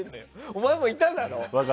お前もいただろ。